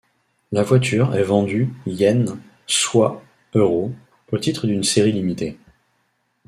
La voiture est vendue yen - soit euros - au titre d'une série limitée.